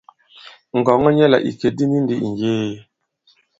Ngɔ̀ŋɔ nyɛ la ìkè di ni ndi ŋ̀yee.